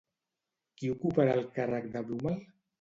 Qui ocuparà el càrrec de Blümel?